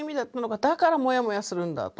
だからモヤモヤするんだ」とか